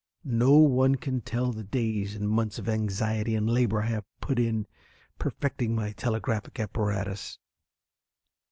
No one can tell the days and months of anxiety and labor I have had in perfecting my telegraphic apparatus.